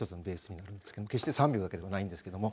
決して３秒だけではないんですけども。